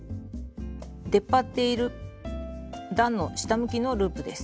出っ張っている段の下向きのループです。